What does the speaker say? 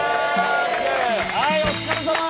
はいお疲れさま。